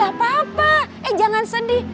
gak apa apa eh jangan sedih